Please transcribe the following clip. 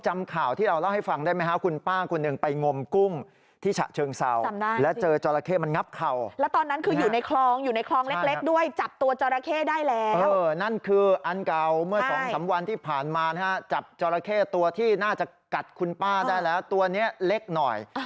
มีการโพสต์ภาพเหล่านี้คุณ